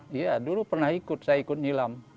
saya pernah ikut ikut ikut nyilam